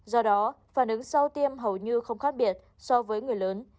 do đó phản ứng sau tiêm hầu như không khác biệt so với người lớn